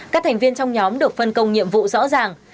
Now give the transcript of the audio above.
các thành viên trong nhóm được phân công nhiệm vụ rõ ràng